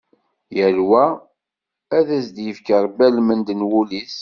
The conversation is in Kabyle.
Yal wa, ad as-d-yefk Ṛebbi almend n wul-is.